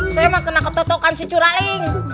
saya mah kena ketotokan si curaling